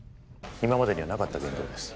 今までにはなかった言動です